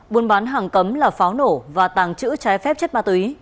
buôn bán hàng cấm là pháo nổ và tàng trữ trái phép chất ma túy